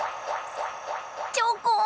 チョコン！